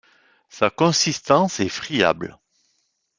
Sa consistance est friable.